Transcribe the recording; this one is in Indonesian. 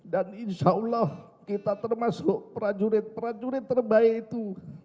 dan insya allah kita termasuk prajurit prajurit terbaik itu